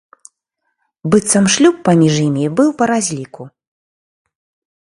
Быццам, шлюб паміж імі быў па разліку.